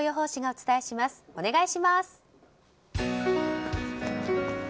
お願いします。